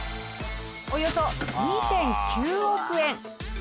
およそ２．９億円。